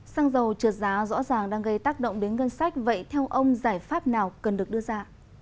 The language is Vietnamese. xăng dầu trượt giá rõ ràng đang gây tác động đến ngân sách vậy theo ông giải pháp nào cần được đưa ra